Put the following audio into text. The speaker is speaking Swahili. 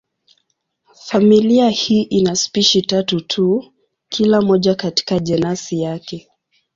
Familia hii ina spishi tatu tu, kila moja katika jenasi yake.